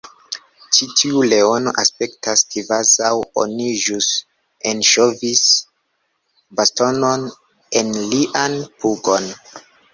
Ĉi tiu leono aspektas kvazaŭ oni ĵus enŝovis bastonon en lian pugon